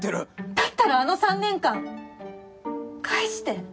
だったらあの３年間返して。